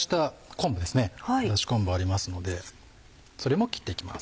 昆布ありますのでそれも切って行きます。